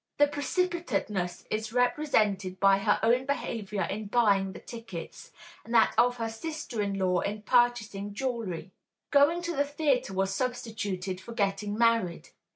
(The precipitateness is represented by her own behavior in buying the tickets, and that of her sister in law in purchasing jewelry. Going to the theatre was substituted for getting married.